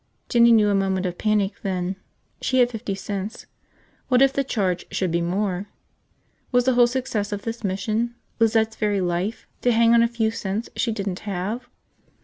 Jinny knew a moment of panic, then. She had fifty cents. What if the charge should be more? Was the whole success of this mission – Lizette's very life – to hang on a few cents she didn't have?